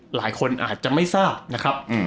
หลายคนอาจจะไม่ทราบนะครับ